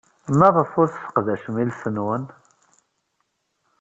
Maɣef ur tesseqdacem iles-nwen?